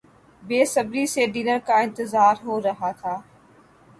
بےصبری سے ڈنر کا انتظار ہورہا تھا